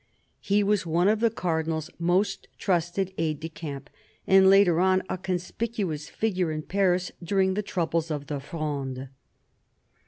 He was one of the Cardinal's most trusted aides de camp, and later on, a conspicuous figure in Paris during the troubles of the Fronde.